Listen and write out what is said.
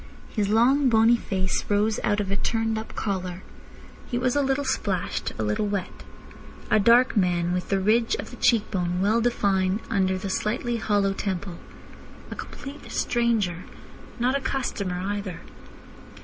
His long, bony face rose out of a turned up collar. He was a little splashed, a little wet. A dark man, with the ridge of the cheek bone well defined under the slightly hollow temple. A complete stranger. Not a customer either.